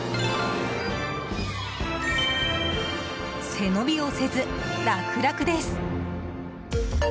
背伸びをせず、楽々です。